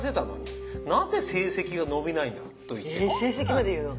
更にえ成績まで言うの？